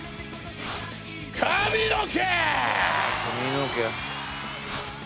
髪の毛。